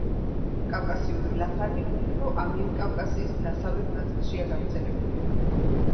კავკასიური ლაფანი უფრო ამიერკავკასიის დასავლეთ ნაწილშია გავრცელებული.